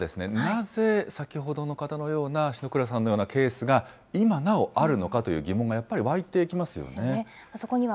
では、なぜ、先ほどの方のような、篠倉さんのようなケースがいまなおあるのかという疑問がやっぱり湧いてきますよね。